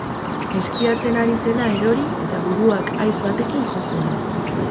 Eskiatzen ari zela erori eta buruak haitz batekin jo zuen.